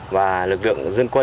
và lực lượng dân quân